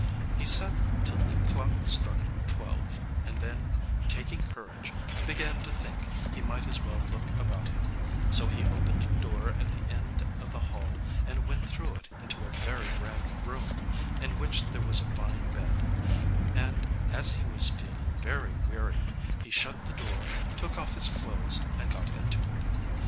He sat till the clock struck twelve, and then, taking courage, began to think he might as well look about him; so he opened a door at the end of the hall, and went through it into a very grand room, in which there was a fine bed; and as he was feeling very weary, he shut the door, took off his clothes, and got into it.